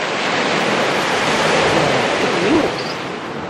Però, què dius?